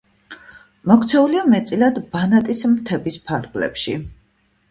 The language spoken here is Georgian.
მოქცეულია მეტწილად ბანატის მთების ფარგლებში.